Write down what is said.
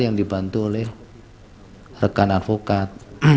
yang dibantu oleh rekan advokat